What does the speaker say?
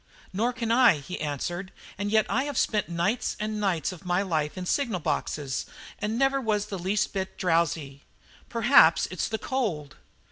"Nor can I," he answered, "and yet I have spent nights and nights of my life in signal boxes and never was the least bit drowsy; perhaps it's the cold."